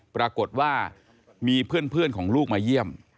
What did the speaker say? ปรากฏว่ามีเพื่อนของลูกมาเยี่ยม